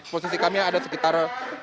posisi kami ada sekitar